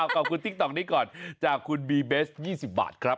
ติ๊กต๊อกนี้ก่อนจากคุณบีเบส๒๐บาทครับ